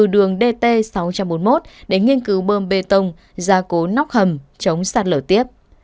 dt sáu trăm bốn mươi một đến nghiên cứu bơm bê tông gia cố nóc hầm chống sạt lửa tiếp